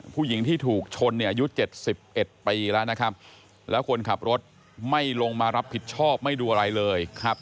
ผู้หญิงที่ถูกชนเนี่ยอายุ๗๑ปีแล้วนะครับแล้วคนขับรถไม่ลงมารับผิดชอบไม่ดูอะไรเลยครับ